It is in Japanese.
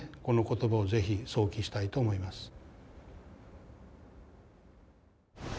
この言葉をぜひ想起したいと思います。